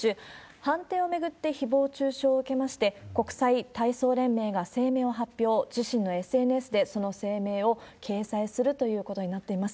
判定を巡ってひぼう中傷を受けまして、国際体操連盟が声明を発表、自身のＳＮＳでその声明を掲載するということになっています。